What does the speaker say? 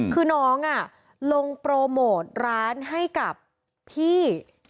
คือน้องลงโปรโมทร้านให้กับพี่